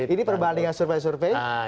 ini perbalingan survei survei